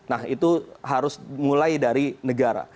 nah itu harus mulai dari negara